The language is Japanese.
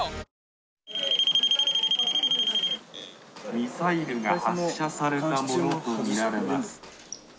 ミサイルが発射されたものと見られます。